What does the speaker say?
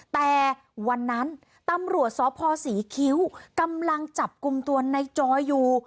แต่วันนั้นตำรวจสพศรีคิ้วกำลังจับกลุ่มตัวในจอยอยู่